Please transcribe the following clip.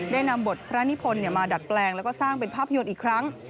ได้นำบทพระนิพนธ์มาดัดแปลงแล้วก็สร้างเป็นภาพยนตร์อีกครั้ง